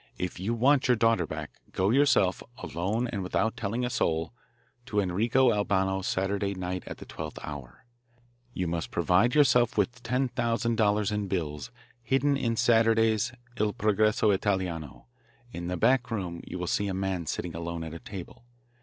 If you want your daughter back, go yourself, alone and without telling a soul, to Enrico Albano's Saturday night at the twelfth hour. You must provide yourself with $10,000 in bills hidden in Saturday's Il Progresso Italiano. In the back room you will see a man sitting alone at a table.